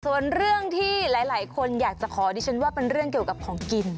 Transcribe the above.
ส่วนเรื่องที่หลายคนอยากจะขอดิฉันว่าเป็นเรื่องเกี่ยวกับของกิน